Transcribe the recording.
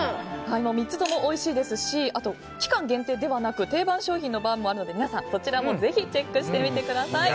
３つともおいしいですし期間限定ではなく定番商品のバウムもあるので皆さん、こちらもぜひチェックしてみてください。